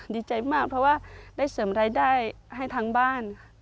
ดีใจมากเพราะว่าได้เสริมรายได้ให้ทั้งบ้าน